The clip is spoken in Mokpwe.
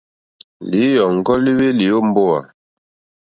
Lǐyɔ̀ŋgɔ́ líhwélì ó mbówà.